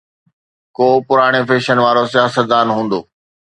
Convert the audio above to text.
ڪو پراڻي فيشن وارو سياستدان هوندو.